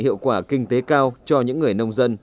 hiệu quả kinh tế cao cho những người nông dân